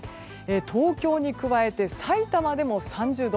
東京に加えてさいたまでも３０度。